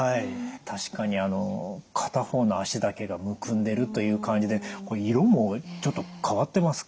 確かに片方の脚だけがむくんでるという感じでこれ色もちょっと変わってますか？